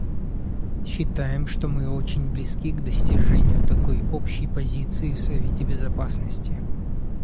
Считаем, что мы очень близки к достижению такой общей позиции в Совете Безопасности.